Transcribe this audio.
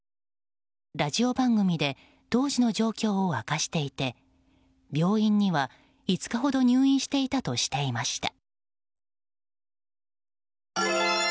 ラジオ番組で当時の状況を明かしていて病院には５日ほど入院していたとしていました。